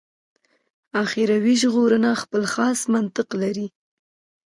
اخروي ژغورنه خپل خاص منطق لري.